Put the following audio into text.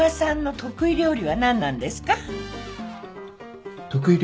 得意料理。